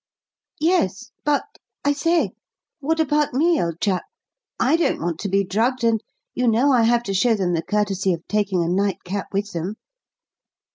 "Yes; but I say! What about me, old chap? I don't want to be drugged, and you know I have to show them the courtesy of taking a 'night cap' with them."